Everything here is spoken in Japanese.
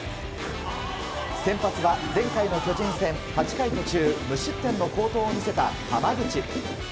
先発は前回の巨人戦８回途中無失点の好投を見せた、濱口。